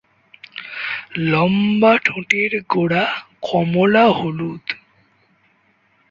লম্বা ঠোঁটের গোড়া কমলা-হলুদ।